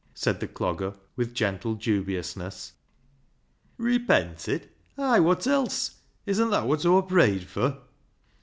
said the Clogger with gentle dubiousness. "Repented? Ay, wot else? Isn't that wot Aw pruyed fur?"